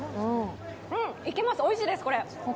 うん、いけます、おいしいです、これ。